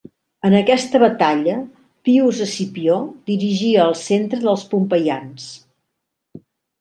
En aquesta batalla Pius Escipió dirigia el centre dels pompeians.